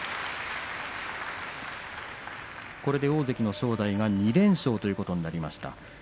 これで大関の正代が２連勝ということになりました。